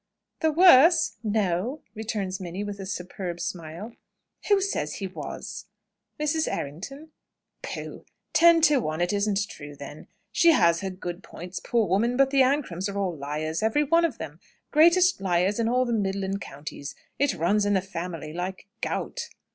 "The worse! No!" returns Minnie, with a superb smile. "Who says he was?" "Mrs. Errington." "Pooh! Ten to one it isn't true then. She has her good points, poor woman, but the Ancrams are all liars; every one of them! Greatest liars in all the Midland Counties. It runs in the family, like gout."